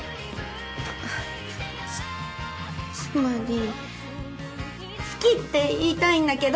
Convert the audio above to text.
つまり好きって言いたいんだけど！